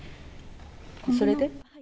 それで？